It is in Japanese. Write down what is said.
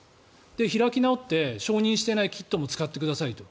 で、開き直って承認してないキットも使ってくださいと。